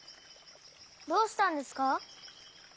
どうしたんですか？